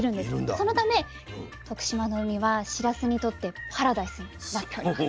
そのため徳島の海はしらすにとってパラダイスになっております。